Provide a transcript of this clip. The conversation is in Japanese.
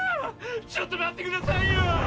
ちょっと待ってくださいよォ！